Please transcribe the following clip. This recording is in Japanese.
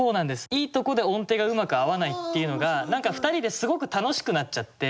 いいとこで音程がうまく合わないっていうのが何か２人ですごく楽しくなっちゃって。